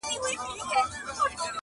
دوو یارانو ته په سرو سترګو ګویا سو!!